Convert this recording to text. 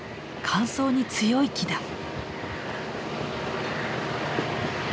乾燥に強い木だ。